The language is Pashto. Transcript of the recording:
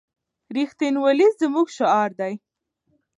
رښتینولي زموږ شعار دی.